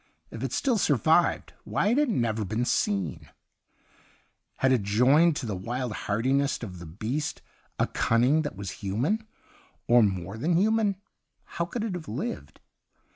If it still survived, why had it never been seen ? Had it joined to the wild hardiness of the beast a cunning that was human — or more than human ? How could it have lived